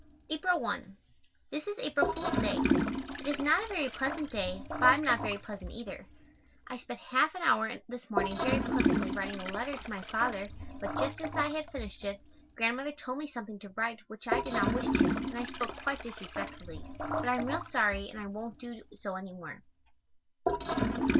April 1. This is April Fool's Day. It is not a very pleasant day, but I am not very pleasant either. I spent half an hour this morning very pleasantly writing a letter to my Father but just as I had finished it, Grandmother told me something to write which I did not wish to and I spoke quite disrespectfully, but I am real sorry and I won't do so any more.